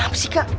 kenapa sih kak